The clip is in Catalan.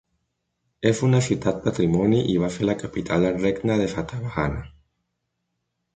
És una ciutat patrimoni i va ser la capital del regne de Satavahana.